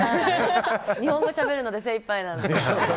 日本語しゃべるので精いっぱいなので。